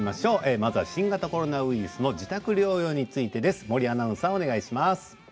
まずは新型コロナウイルス自宅療養についてです。